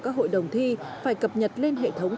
các hội đồng thi phải cập nhật lên hệ thống